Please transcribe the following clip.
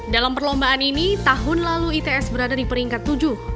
dalam perlombaan ini tahun lalu its berada di peringkat tujuh